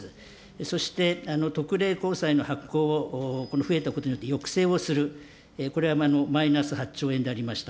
そして、特例公債の発行を、増えたことによって抑制をする、これはマイナス８兆円でありました。